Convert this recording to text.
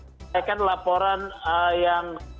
mereka laporan yang